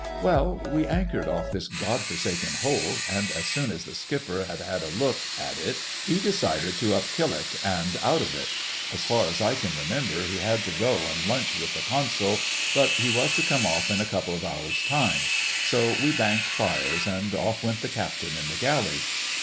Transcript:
Well, we anchored off this God forsaken hole, and as soon as the Skipper had had a look at it he decided to up killick and out of it; as far as I can remember he had to go and lunch with the Consul, but he was to come off in a couple of hours' time; so we banked fires, and off went the Captain in the galley.